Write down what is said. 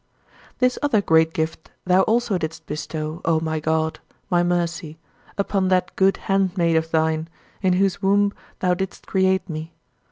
21. This other great gift thou also didst bestow, O my God, my Mercy, upon that good handmaid of thine, in whose womb thou didst create me.